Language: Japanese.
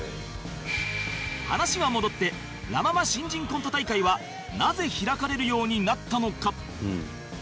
話は戻ってラ・ママ新人コント大会はなぜ開かれるようになったのか？